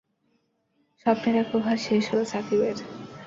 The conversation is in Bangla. স্বপ্নের এক ওভার শেষ হলো সাকিবের।